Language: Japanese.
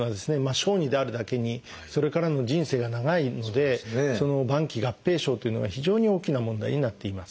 小児であるだけにそれからの人生が長いのでその晩期合併症というのが非常に大きな問題になっています。